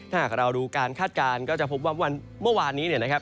ถ้าหากเราดูการคาดการณ์ก็จะพบว่าวันเมื่อวานนี้เนี่ยนะครับ